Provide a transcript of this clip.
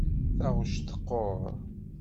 Taɣect teqquṛ.